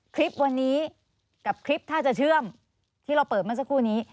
คลิปวันนี้กับคลิปถ้าจะเชื่อมที่เราเปิดเมื่อสักครู่นี้